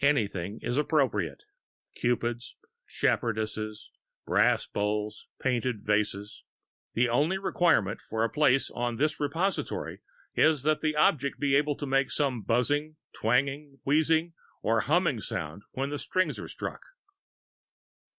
Anything is appropriate cupids, shepherdesses, brass bowls, painted vases. The only requirement for a place on this repository is that the object be able to make some buzzing, twanging, wheezing, or humming sound when the strings are struck.